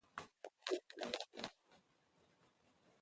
لیکوال زموږ لپاره یو ښه الګو دی.